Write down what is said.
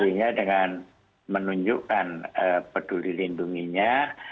sehingga dengan menunjukkan peduli lindunginya